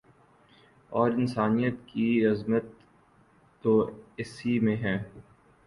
اور انسانیت کی عظمت تو اسی میں ہے